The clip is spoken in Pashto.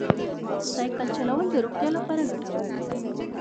سایکل چلول د روغتیا لپاره ګټور دی.